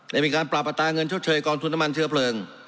ได้มีการปรับอัตราเงินชดเชยกองทุนน้ำมันเชื้อเพลิง